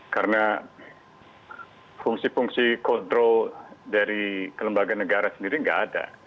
karena fungsi fungsi kontrol dari kelembagaan negara sendiri nggak ada